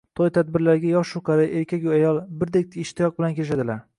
to'y tadbirlarga yoshu-qari, erkagu-ayol birdek ishtiyoq bilan kirishadilar.